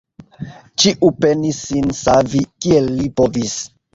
Ĉiu penis sin savi, kiel li povis.